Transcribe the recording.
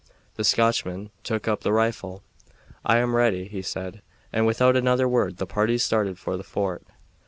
The Scotchman took up the rifle. "I am ready," he said, and without another word the party started for the fort.